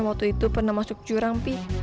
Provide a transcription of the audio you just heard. waktu itu pernah masuk jurang sih